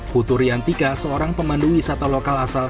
putu riantika seorang pemandu wisata lokal asal